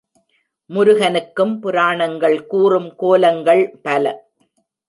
முருகனுக்கும் புராணங்கள் கூறும் கோலங்கள் பல.